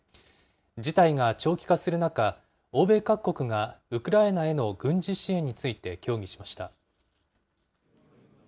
事態が長期化する中、欧米各国がウクライナへの軍事支援について協議しました。